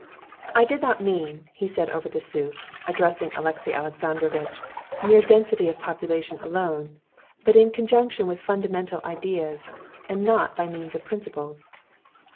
"I did not mean," he said over the soup, addressing Alexey Alexandrovitch, "mere density of population alone, but in conjunction with fundamental ideas, and not by means of principles."